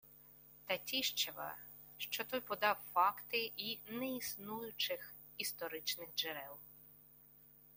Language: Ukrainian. Татіщева, що той подав факти і «неіснуючих історичних джерел»